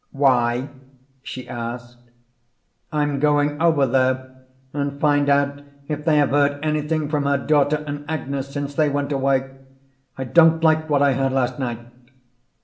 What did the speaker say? "Why?" she asked. "I'm going over there and find out if they have heard anything from her daughter and Agnes since they went away. I don't like what I heard last night."